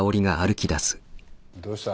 どうした？